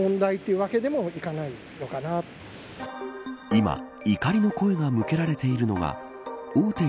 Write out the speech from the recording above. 今、怒りの声が向けられているのは大手